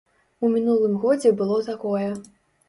У мінулым годзе было такое.